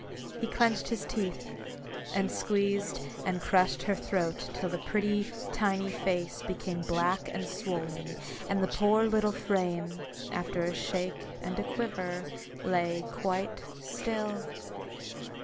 He clenched his teeth, and squeezed and crushed her throat till the pretty tiny face became black and swollen, and the poor little frame, after a shake and a quiver, lay quite still.